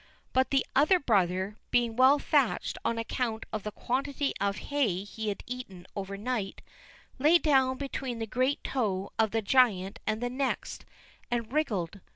But the other brother, being well thatched on account of the quantity of hay he had eaten overnight, lay down between the great toe of the giant and the next, and wriggled.